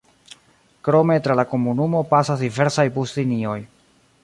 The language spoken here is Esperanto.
Krome tra la komunumo pasas diversaj buslinioj.